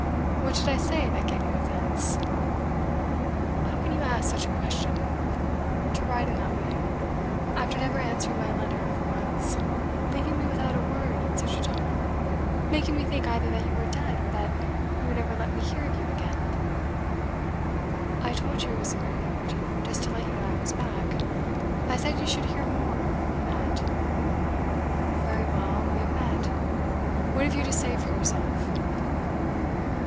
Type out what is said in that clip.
'What did I say that gave you offence?' 'How can you ask such a question? To write in that way after never answering my letter for months, leaving me without a word at such a time, making me think either that you were dead or that you would never let me hear of you again ' 'I told you it was a mere note, just to let you know I was back. I said you should hear more when we met.' 'Very well, we have met. What have you to say for yourself?